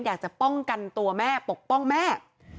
อยากจะป้องกันตัวแม่ปกป้องแม่